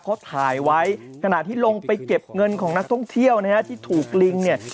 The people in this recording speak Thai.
เขาถ่ายไว้ขณะที่ลงไปเก็บเงินของนักท่องเที่ยวนะฮะที่ถูกลิงเนี่ย